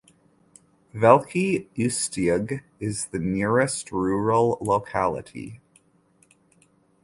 Veliky Ustyug is the nearest rural locality.